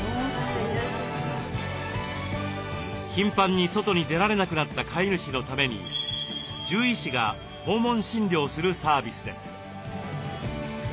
頻繁に外に出られなくなった飼い主のために獣医師が訪問診療するサービスです。